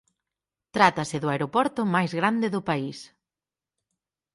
Trátase do aeroporto máis grande do país.